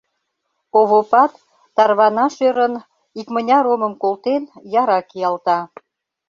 Овопат, тарванаш ӧрын, икмыняр омым колтен, яра киялта.